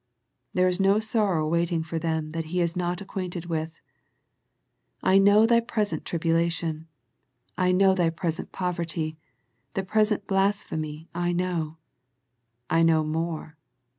There is no sorrow waiting for them that He is not ac quainted with. I know thy present tribulation. I know thy present poverty, the present blas phemy I know. I know more.